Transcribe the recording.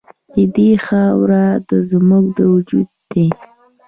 د دې خاوره زموږ وجود دی؟